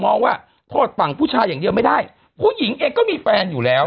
ว่าโทษฝั่งผู้ชายอย่างเดียวไม่ได้ผู้หญิงเองก็มีแฟนอยู่แล้ว